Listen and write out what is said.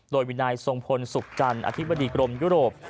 โดยวินายทรงพลสุขจันทร์อธิบดีกรมยุโรป